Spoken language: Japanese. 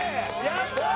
やったー！